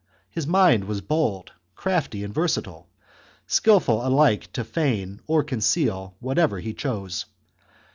His mind was bold, crafty, and versatile, skilful alike to feign or con ceal whatever he chose.